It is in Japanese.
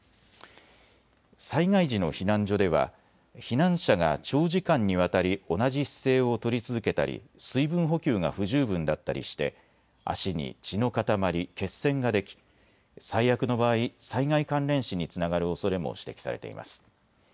災害時の避難所では避難者が長時間にわたり同じ姿勢を取り続けたり水分補給が不十分だったりして足に血の塊、血栓ができ最悪の場合、災害関連死につながるおそれも指摘されています。